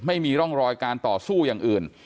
ไม่มีร่องรอยการต่อสู้อย่างอื่น